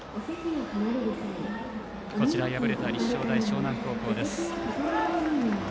敗れた立正大淞南高校。